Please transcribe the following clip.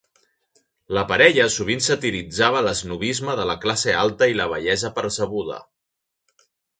La parella sovint satiritzava l'esnobisme de la classe alta i la bellesa percebuda.